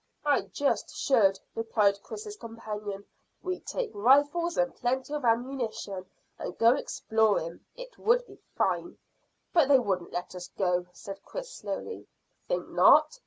"I just should," replied Chris's companion. "We'd take rifles and plenty of ammunition, and go exploring. It would be fine!" "But they wouldn't let us go," said Chris slowly. "Think not?"